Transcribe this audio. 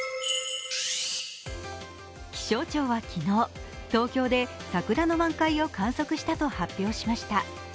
気象庁は昨日、東京で桜の満開を観測したと発表しました。